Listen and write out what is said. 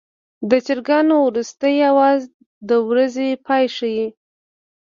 د چرګانو وروستی اواز د ورځې پای ښيي.